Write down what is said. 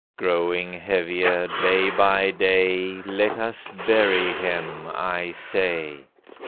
Growing heavier, day by day, Let us bury him, I say.